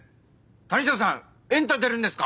谷ショーさん『エンタ』出るんですか？